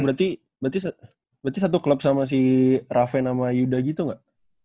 berarti satu klub sama si raven sama yuda gitu gak